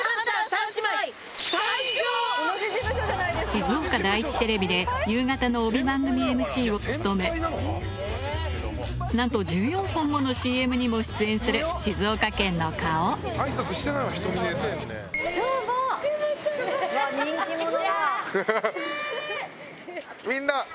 静岡第一テレビで夕方の帯番組ＭＣを務めなんと１４本ものＣＭにも出演する静岡県の顔どうも。